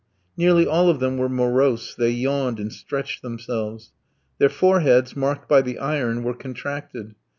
Nearly all of them were morose; they yawned and stretched themselves. Their foreheads, marked by the iron, were contracted.